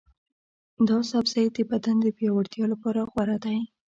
دا سبزی د بدن د پیاوړتیا لپاره غوره دی.